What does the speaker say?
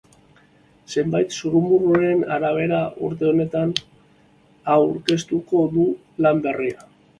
Zenbait zurrumurruren arabera, urte honetan aurkeztuko du lan berria.